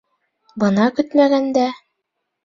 Бына көтмәгәндә...